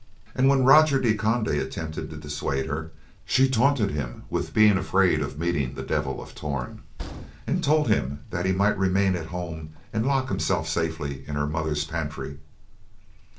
And when Roger de Conde attempted to dissuade her, she taunted him with being afraid of meeting with the Devil of Torn, and told him that he might remain at home and lock himself safely in her mother's pantry.